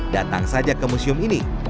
datang saja ke museum ini